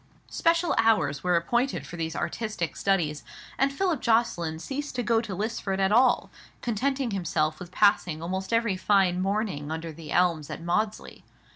Special hours were appointed for these artistic studies: and Philip Jocelyn ceased to go to Lisford at all, contenting himself with passing almost every fine morning under the elms at Maudesley.